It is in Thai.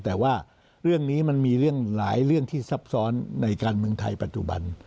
แต่ว่าเรื่องนี้มันมีเรื่องหลายเรื่องที่ซับซ้อนในการเมืองไทยปัจจุบัน